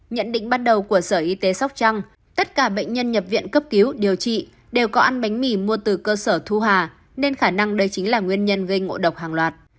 nhận định ban đầu của sở y tế sóc trăng tất cả bệnh nhân nhập viện cấp cứu điều trị đều có ăn bánh mì mua từ cơ sở thu hà nên khả năng đây chính là nguyên nhân gây ngộ độc hàng loạt